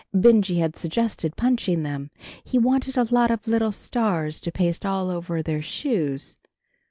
Benjy had suggested punching them. He wanted a lot of little stars to paste all over their shoes.